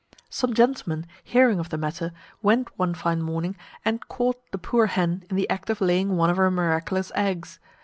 Some gentlemen, hearing of the matter, went one fine morning, and caught the poor hen in the act of laying one of her miraculous eggs.